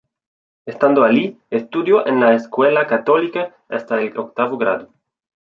Estando allí, estudió en la escuela católica hasta el octavo grado.